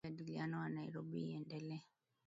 ile majadiliano ya nairobi iendelee